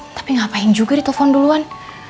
tapi ngapain juga dia telfon duluan